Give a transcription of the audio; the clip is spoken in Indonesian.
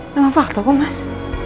memang fakta kok mas